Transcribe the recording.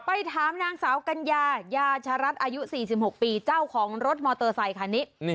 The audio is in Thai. ไปถามนางสาวกัญญายาชรัฐอายุ๔๖ปีเจ้าของรถมอเตอร์ไซคันนี้